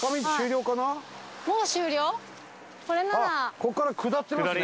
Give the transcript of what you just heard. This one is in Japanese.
ここから下ってますね。